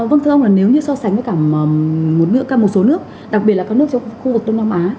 vâng thưa ông là nếu như so sánh với cả một số nước đặc biệt là các nước trong khu vực đông nam á